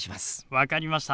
分かりました。